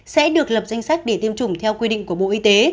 sẽ được lập danh sách để tiêm chủng theo quy định của bộ y tế